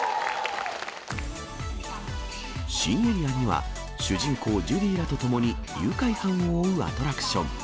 新エリアには、主人公、ジュディらと共に誘拐犯を追うアトラクション。